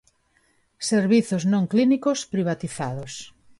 Servizos non clínicos privatizados.